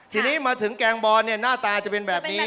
ทีนี้มาถึงแกงบอนเนี่ยหน้าตาจะเป็นแบบนี้